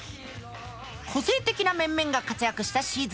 個性的な面々が活躍したシーズン１。